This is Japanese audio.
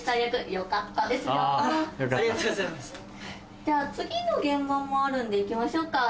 じゃあ次の現場もあるんで行きましょうか。